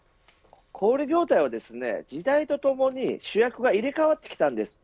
小売り業界は時代とともに主役が入れ替わってきたんです。